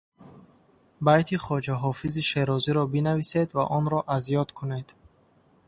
Байти Хоҷа Ҳофизи Шерозиро бинависед ва онро аз ёд кунед.